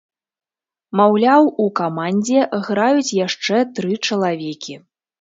Маўляў, у камандзе граюць яшчэ тры чалавекі.